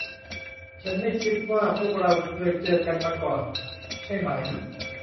ฉันไม่คิดว่าพวกเราเคยเจอกันมาก่อน ใช่ไหม ?